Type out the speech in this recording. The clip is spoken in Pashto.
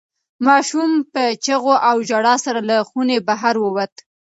ماشوم په چیغو او ژړا سره له خونې بهر ووت.